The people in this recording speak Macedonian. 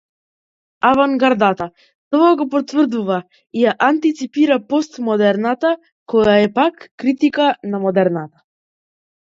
Авангардата тоа го потврдува и ја антиципира постмодерната која, пак, е критика на модерната.